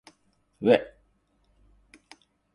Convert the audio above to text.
うぇ